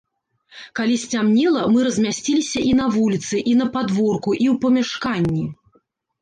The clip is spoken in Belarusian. Калі сцямнела, мы размясціліся і на вуліцы, і на падворку, і ў памяшканні.